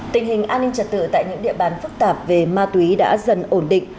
tình hình an ninh trật tự tại những địa bàn phức tạp về ma túy đã dần ổn định